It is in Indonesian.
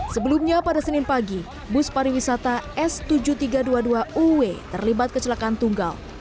sebelumnya pada senin pagi bus pariwisata s tujuh ribu tiga ratus dua puluh dua uw terlibat kecelakaan tunggal